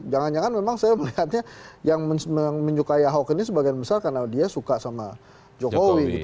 jangan jangan memang saya melihatnya yang menyukai ahok ini sebagian besar karena dia suka sama jokowi